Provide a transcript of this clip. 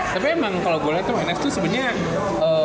tapi emang kalau gue lihat itu wenas tuh sebenarnya